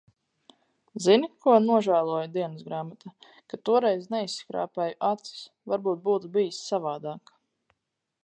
Zini, ko nožēloju, dienasgrāmata, ka toreiz neizskrāpēju acis, varbūt būtu bijis savādāk.